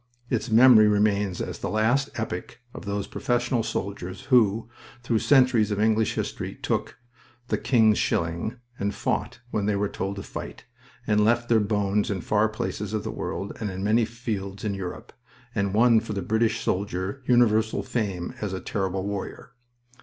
Its memory remains as the last epic of those professional soldiers who, through centuries of English history, took "the King's shilling" and fought when they were told to fight, and left their bones in far places of the world and in many fields in Europe, and won for the British soldier universal fame as a terrible warrior.